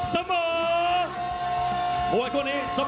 สบายครับ